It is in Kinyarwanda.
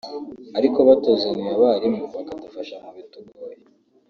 ariko batuzaniye abarimu bakadufasha mu bitugoye